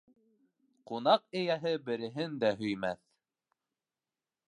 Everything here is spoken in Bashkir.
Кунаҡ эйәһе береһен дә һөймәҫ.